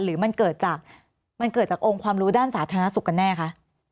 หรือมันเกิดจากมันเกิดจากองค์ความรู้ด้านสาธารณสุขกันแน่คะ